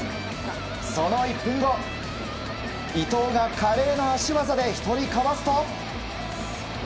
その１分後、伊東が華麗な足技で１人かわすと。